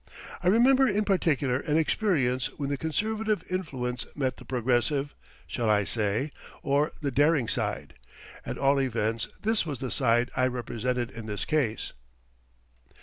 I remember in particular an experience when the conservative influence met the progressive shall I say? or the daring side. At all events, this was the side I represented in this case.